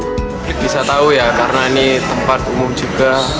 publik bisa tahu ya karena ini tempat umum juga